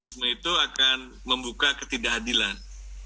semua itu akan membuka ketidakadilan